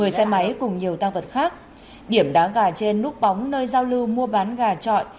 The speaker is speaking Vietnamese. một mươi xe máy cùng nhiều tăng vật khác điểm đá gà trên núp bóng nơi giao lưu mua bán gà trọi